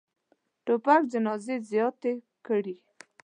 توپک جنازې زیاتې کړي.